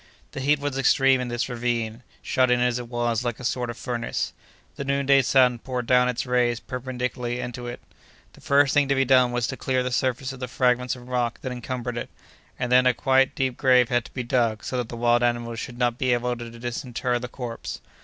The heat was extreme in this ravine, shut in as it was like a sort of furnace. The noonday sun poured down its rays perpendicularly into it. The first thing to be done was to clear the surface of the fragments of rock that encumbered it, and then a quite deep grave had to be dug, so that the wild animals should not be able to disinter the corpse.